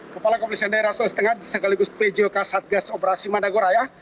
kepala komunis tni rasul setengah sekaligus pjok satgas operasi madagoraya